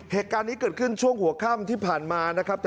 เหตุการณ์นี้เกิดขึ้นช่วงหัวค่ำที่ผ่านมานะครับ